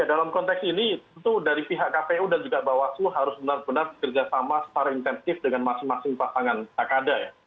ya dalam konteks ini tentu dari pihak kpu dan juga bawaslu harus benar benar bekerja sama secara intensif dengan masing masing pasangan kakada ya